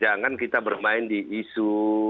jangan kita bermain di isu